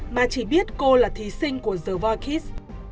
mà chỉ biết cô là thí sinh của the voikis